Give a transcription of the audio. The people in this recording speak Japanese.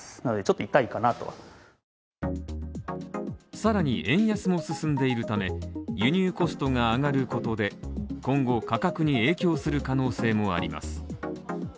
さらに円安も進んでいるため、輸入コストが上がることで、今後価格に影響する可能性もあります。